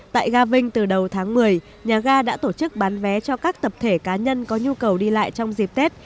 tại ga vinh từ đầu tháng một mươi nhà ga đã tổ chức bán vé cho các tập thể cá nhân có nhu cầu đi lại trong dịp tết